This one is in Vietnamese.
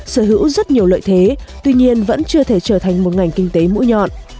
sở hữu rất nhiều lợi thế tuy nhiên vẫn chưa thể trở thành một ngành kinh tế mũi nhọn